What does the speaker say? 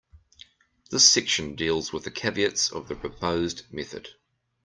This section deals with the caveats of the proposed method.